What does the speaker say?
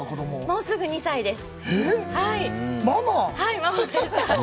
もうすぐ２歳です。